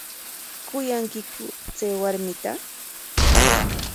¿Kuyankiku chay warmita?